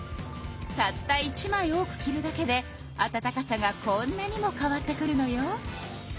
たった１枚多く着るだけで暖かさがこんなにも変わってくるのよ。